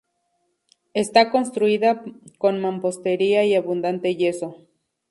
Está construida con mampostería y abundante yeso.